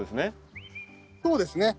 そうですね。